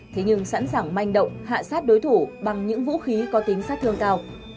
thế nhưng sẵn sàng manh động hạ sát đối thủ bằng những vũ khí có tính sát thương cao